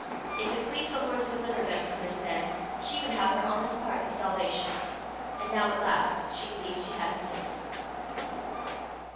If it pleased the Lord to deliver them from this man, she would have her honest part in the salvation! And now at last she believed she had him safe.